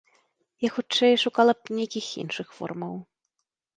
Я, хутчэй, шукала б нейкіх іншых формаў.